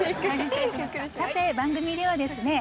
さて番組ではですね